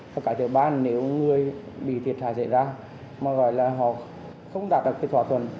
còn cả thứ ba là nếu người bị thiệt hại xảy ra mà gọi là họ không đạt được cái thỏa thuận